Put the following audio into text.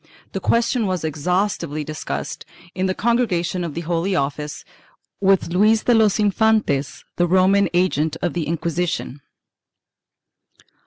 The question was exhaustively discussed, in the Congregation of the Holy Office, with Luis de los Infantes, the Roman agent of the Inqui sition.